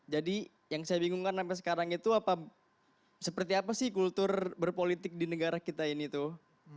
jadi yang saya bingungkan sampai sekarang itu apa seperti apa sih kultur berpolitik di negara kita ini tuh